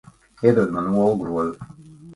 Iedod man olu grozu.